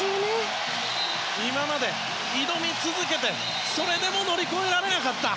今まで挑み続けてそれでも乗り越えられなかった。